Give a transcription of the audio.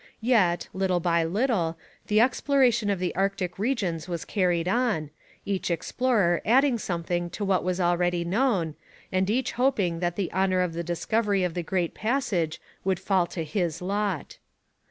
Yet, little by little, the exploration of the Arctic regions was carried on, each explorer adding something to what was already known, and each hoping that the honour of the discovery of the great passage would fall to his lot.